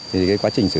thì cái quá trình xử lý